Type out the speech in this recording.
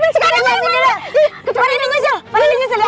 saya mau tunggu di dalam